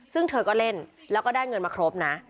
ซึ่งเธอก็เล่นแล้วก็ได้เงินมาครบนะ